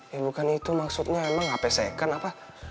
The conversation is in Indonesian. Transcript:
ya bukan itu maksudnya emang hp second apa